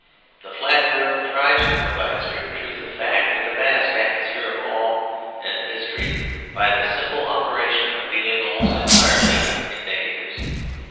The flatterer contrives to combine strict truth of fact with a vast atmosphere of awe and mystery by the simple operation of dealing almost entirely in negatives.